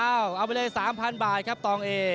จากกาวสีมือเจ้าระเข้เขียวนะครับขอบคุณด้วย